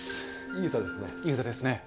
いい歌ですね。